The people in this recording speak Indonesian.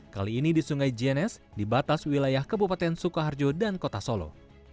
kali ini di sungai jenes di batas wilayah kebupaten sukoharjo dan kota solo